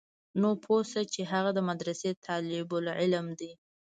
نو پوه سه چې هغه د مدرسې طالب العلم دى.